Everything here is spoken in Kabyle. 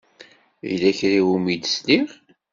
Yella kra i wumi d-sliɣ.